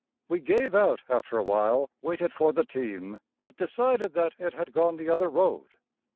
We gave out after a while, waited for the team, but decided that it had gone the other road.